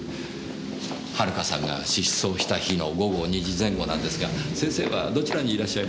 遥さんが失踪した日の午後２時前後なんですが先生はどちらにいらっしゃいましたか？